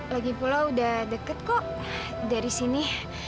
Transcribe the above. lagi pula udah deket kok dari sini